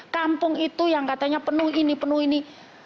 kampung itu yang katanya penuh ini penuh ini